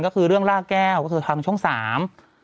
ก็คือเรื่องล่าแก้วก็คือทางช่องสาม